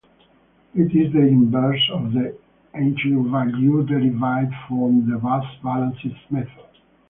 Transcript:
It is the inverse of the eigenvalue derived form the mass balance method.